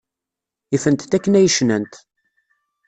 Ifent-t akken ay cnant.